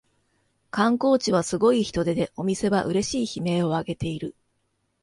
観光地はすごい人出でお店はうれしい悲鳴をあげている